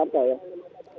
kowang sleman yogyakarta ya